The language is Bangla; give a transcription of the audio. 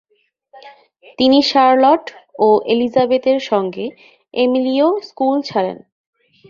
তিনি শার্লট ও এলিজাবেথের সঙ্গে এমিলিও স্কুল ছাড়েন।